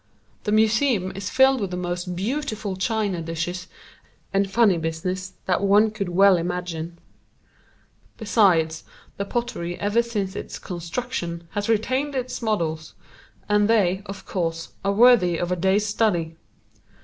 The museum is filled with the most beautiful china dishes and funny business that one could well imagine. Besides, the pottery ever since its construction has retained its models, and they, of course, are worthy of a day's study.